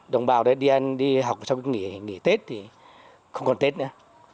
đồng bào đấy đi ăn đi học sau khi nghỉ tết thì không còn tết nữa